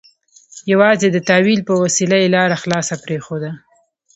یوازې د تأویل په وسیله یې لاره خلاصه پرېښوده.